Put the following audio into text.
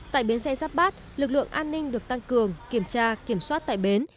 tại bến xe giáp bát lực lượng an ninh được tăng cường kiểm tra kiểm soát tại bến